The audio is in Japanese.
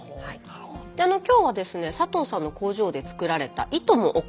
今日はですね佐藤さんの工場で作られた糸もお借りしてきました。